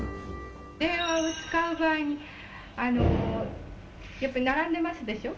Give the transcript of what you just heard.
電話を使う場合に、やっぱり並んでますでしょう。